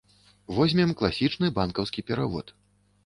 Возьмем класічны банкаўскі перавод.